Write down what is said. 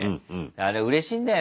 あれうれしいんだよね。